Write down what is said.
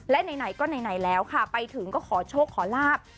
และไหนก็ไหนแล้วค่ะไปถึงก็ขอโชคขอลาบ